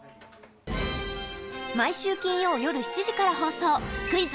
毎週金曜日夜７時から放送、クイズ！